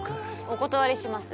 お断りします。